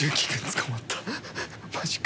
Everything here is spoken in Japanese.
マジか。